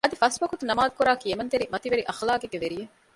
އަދި ފަސްވަގުތު ނަމާދުކުރާ ކިޔަމަންތެރި މަތިވެރި އަޚްލާގެއްގެ ވެރިއެއް